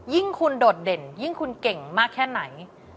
ยิ่งคุณโดดเด่นยิ่งคุณเก่งมากแค่ไหน